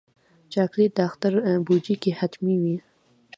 چاکلېټ د اختر بوجۍ کې حتمي وي.